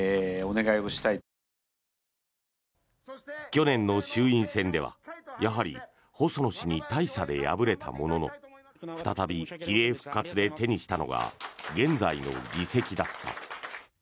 去年の衆院選では、やはり細野氏に大差で敗れたものの再び比例復活で手にしたのが現在の議席だった。